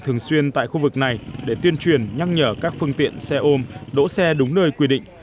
thường xuyên tại khu vực này để tuyên truyền nhắc nhở các phương tiện xe ôm đỗ xe đúng nơi quy định